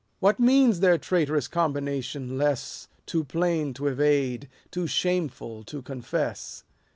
What means their traitorous combination less, Too plain to evade, too shameful to confess